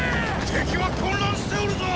敵は混乱しておるぞォ！